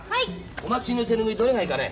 お祭りの手拭いどれがいいかね？